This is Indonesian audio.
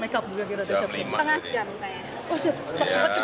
kemudian kemarin di kalimantan selatan juga pakai baju adat